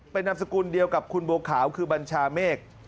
เป็นนามสกุลเดียวกับคุณบัวขาวคือบัญชาเมฆ